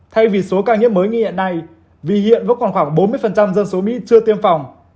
thay vì số ca nghiệp mới nghi hiện này vì hiện vẫn còn khoảng bốn mươi dân số mỹ chưa tiêm phòng